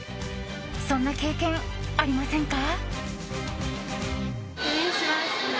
そんな経験ありませんか？